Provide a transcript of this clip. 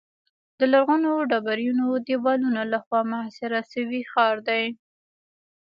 د لرغونو ډبرینو دیوالونو له خوا محاصره شوی ښار دی.